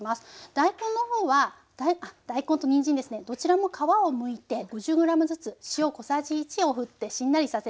大根の方はだい大根とにんじんですねどちらも皮をむいて５０ｇずつ塩小さじ１をふってしんなりさせてます。